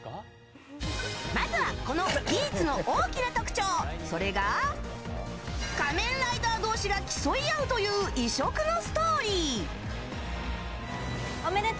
まずは、この「ギーツ」の大きな特徴、それが仮面ライダー同士が競い合うという異色のストーリー。